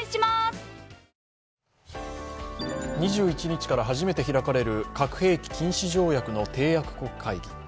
２１日から初めて開かれる核兵器禁止条約の締約国会議。